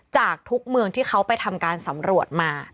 จากทุกเมืองที่เขาไปทำการสำรวจมา